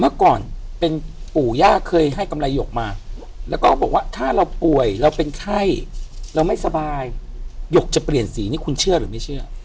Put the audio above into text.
เมื่อก่อนเป็นปู่ย่าเคยให้กำไรหยกมาแล้วก็บอกว่าถ้าเราป่วยเราเป็นไข้เราไม่สบายหยกจะเปลี่ยนสีนี่คุณเชื่อหรือไม่เชื่อ